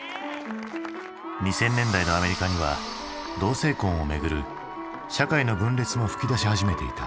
２０００年代のアメリカには同性婚をめぐる社会の分裂も噴き出し始めていた。